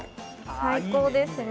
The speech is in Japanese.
最高ですね。